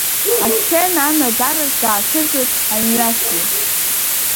Асцена анаӡараҿ даацәырҵуеит Амҩасҩы.